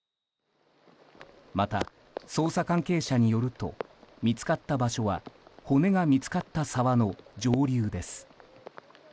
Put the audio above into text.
また、捜査関係者によると見つかった場所は骨が見つかった沢の上流です。